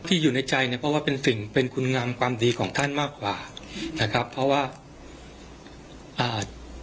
อยู่ในใจเนี่ยเพราะว่าเป็นสิ่งเป็นคุณงามความดีของท่านมากกว่านะครับเพราะว่าอ่า